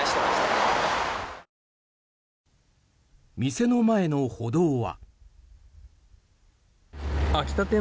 店の前の歩道は。